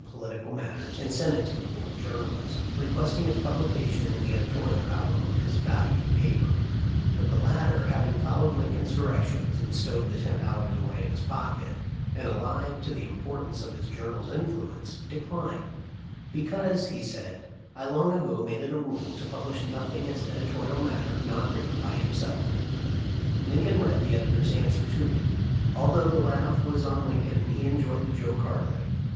political matters and sent it to the rural journalist, requesting its publication in the editorial columns of his "valued paper," but the latter, having followed Lincoln's directions and stowed the ten dollars away in his pocket, and alive to the importance of his journal's influence, declined, "because," he said, "I long ago made it a rule to publish nothing as edito rial matter not written by himself." Lincoln read the editor's answer to me. Although the laugh was on Lincoln he enjoyed the joke heartily.